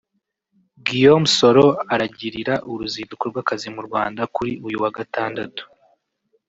Guillaume Soro aragirira uruzinduko rw’akazi mu Rwanda kuri uyu wa Gatandatu